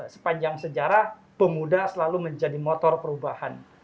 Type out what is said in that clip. sepanjang sejarah pemuda selalu menjadi motor perubahan